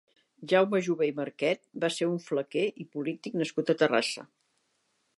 Jaume Jover i Marquet va ser un flequer i polític nascut a Terrassa.